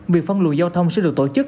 việc phân lùi giao thông sẽ được tổ chức